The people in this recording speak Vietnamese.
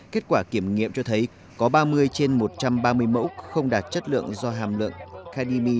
kết quả kiểm nghiệm cho thấy có ba mươi trên một trăm ba mươi mẫu không đạt chất lượng do hàm lượng kdimi